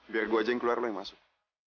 biar saya saja yang keluar kamu yang masuk